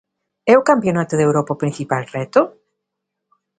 É o campionato de Europa o principal reto?